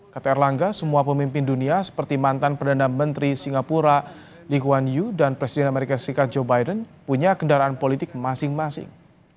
kata erlangga semua pemimpin dunia seperti mantan perdana menteri singapura leeguan yu dan presiden amerika serikat joe biden punya kendaraan politik masing masing